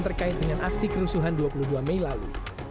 terkait dengan aksi kerusuhan dua puluh dua mei lalu